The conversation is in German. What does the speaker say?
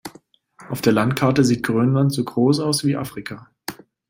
Auf der Landkarte sieht Grönland so groß aus wie Afrika.